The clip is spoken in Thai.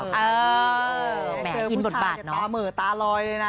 แม่กินหมดบาดเนอะเหมือตาลอยเลยนะ